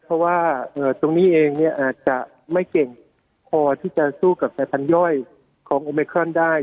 เพราะว่าตรงนี้เองเนี่ยอาจจะไม่เก่งพอที่จะสู้กับสายพันธย่อยของโอเมครอนได้